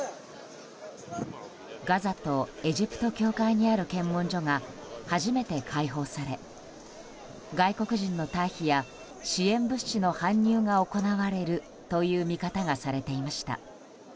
ガザとエジプト境界にある検問所が初めて開放され外国人の退避や支援物資の搬入が行われるという見方がされていました。